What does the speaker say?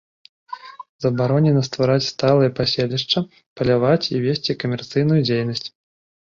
Забаронена ствараць сталыя паселішчы, паляваць і весці камерцыйную дзейнасць.